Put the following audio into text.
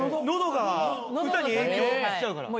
喉が歌に影響しちゃうから。